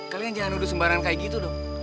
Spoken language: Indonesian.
kalian jangan duduk sembarangan kayak gitu dong